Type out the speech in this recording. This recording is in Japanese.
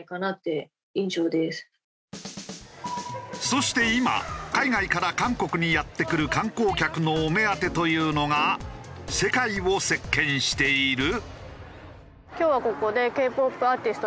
そして今海外から韓国にやって来る観光客のお目当てというのが世界を席巻している。